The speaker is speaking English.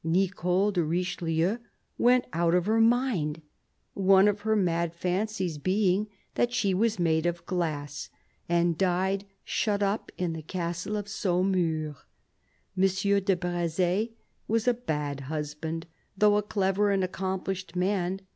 Nicole de Richelieu went out of her mind — one of her mad fancies being that she was made of glass — and died shut up in the castle of Saumur. M. de Breze was a bad husband, though a clever and accomplished man.